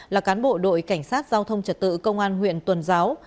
là cán bộ đội cảnh sát giao thông trật tự công an huyện tuần giáo